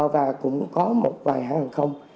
và cũng có một vài hãng hàng không